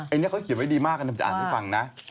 ไอเนี้ยเขาเขียนไว้ดีมากเนี่ย